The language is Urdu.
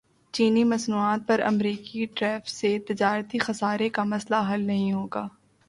چینی مصنوعات پر امریکی ٹیرف سے تجارتی خسارے کا مسئلہ حل نہیں ہوگا